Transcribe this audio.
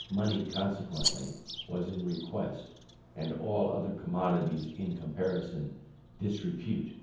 Money, consequently, was in request, and all other commodities were in comparative disrepute.